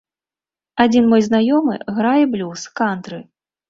Адзін мой знаёмы грае блюз, кантры.